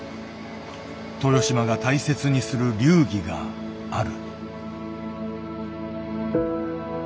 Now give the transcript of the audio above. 豊島が大切にする流儀がある。